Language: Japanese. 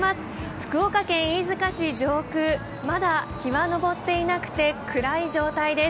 福岡県飯塚市上空、まだ日は昇っていなくて暗い状態です。